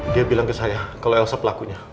dia bilang ke saya kalau elsa pelakunya